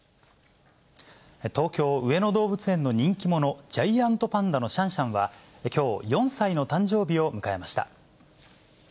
東京・上野動物園の人気者、ジャイアントパンダのシャンシャンは、きょう、４歳の誕生日を迎えました。